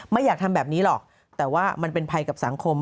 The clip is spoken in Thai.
ไม่อยากทำแบบนี้หรอกแต่ว่ามันเป็นภัยกับสังคม